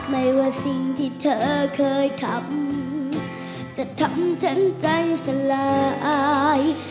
ไม่ว่าสิ่งที่เธอเคยทำจะทำฉันใจสลายอาย